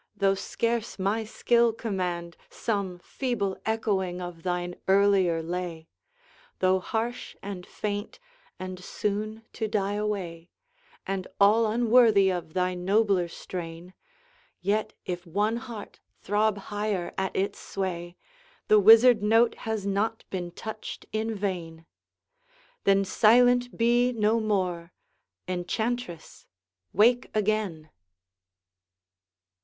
though scarce my skill command Some feeble echoing of thine earlier lay: Though harsh and faint, and soon to die away, And all unworthy of thy nobler strain, Yet if one heart throb higher at its sway, The wizard note has not been touched in vain. Then silent be no more! Enchantress, wake again!